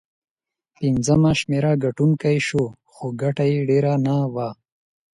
پنځمه شمېره ګټونکی شو، خو ګټه یې ډېره نه وه.